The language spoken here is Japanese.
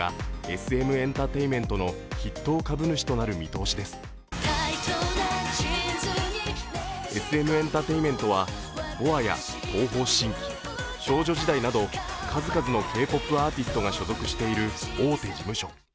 ＳＭエンタテインメントはＢｏＡや東方神起、少女時代など数々のＫ−ＰＯＰアーティストが所属している事務所。